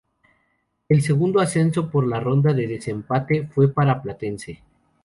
El segundo ascenso, por la ronda de desempate, fue para Platense.